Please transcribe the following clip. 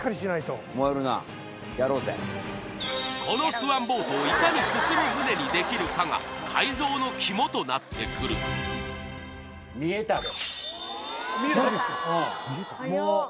このスワンボートをいかに進む舟にできるかが改造の肝となってくる・見えたんですか？